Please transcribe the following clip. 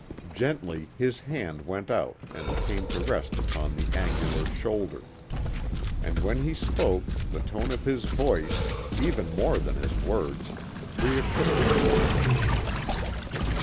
Gently his hand went out and came to rest upon the angular shoulder. And when he spoke the tone of his voice, even more than his words, reassured the woman.